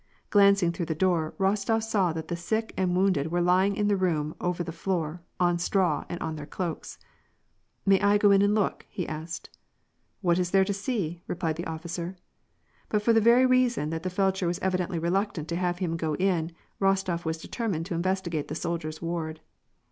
Glancing through the door, Bostof saw that the sick and wounded were lying in the room over the floor, on straw, ard on their cloaks. " May I go in and look ?" he asked. "What is there to see ?" replied the officer. But for the very reason that the feldsher was evidently reluctant to have him go in, Bostof was determined to investigate the soldiers' ward.